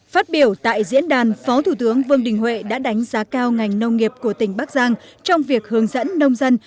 phát biểu tại diễn đàn phó thủ tướng vương đình huệ đã đánh giá cao ngành nông nghiệp của tỉnh bắc giang trong việc hướng dẫn nông dân